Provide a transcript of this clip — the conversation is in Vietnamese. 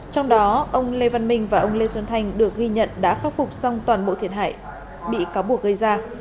trong đó ông lê văn minh và ông lê xuân thanh được ghi nhận đã khắc phục xong toàn bộ thiệt hại bị cáo buộc gây ra